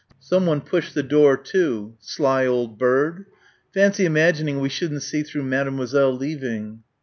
Someone pushed the door to. "Sly old bird." "Fancy imagining we shouldn't see through Mademoiselle leaving."